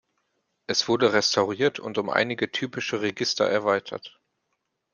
Es wurde restauriert und um einige typische Register erweitert.